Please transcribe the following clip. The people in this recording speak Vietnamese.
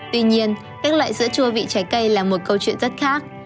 tuy nhiên các loại sữa chua vị trái cây là một câu chuyện rất khác